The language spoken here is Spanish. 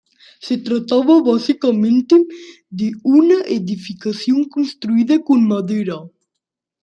Se trataba básicamente de una edificación construida con madera.